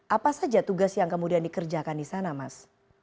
apa saja tugas yang kemudian dikerjakan di sana mas